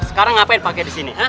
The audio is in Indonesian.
sekarang ngapain pake disini